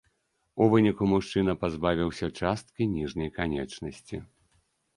У выніку мужчына пазбавіўся часткі ніжняй канечнасці.